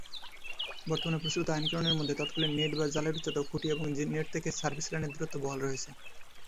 বর্তমানে প্রচলিত আইন-কানুনের মধ্যে তৎকালীন নেট বা জালের উচ্চতা ও খুঁটি এবং নেট থেকে সার্ভিস লাইনের দূরত্ব বহাল রয়েছে।